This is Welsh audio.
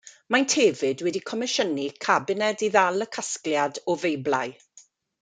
Maent hefyd wedi comisiynu cabined i ddal y casgliad o Feiblau.